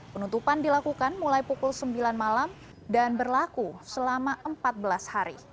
penutupan dilakukan mulai pukul sembilan malam dan berlaku selama empat belas hari